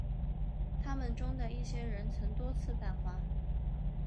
他们中的一些人曾多次访华。